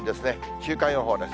週間予報です。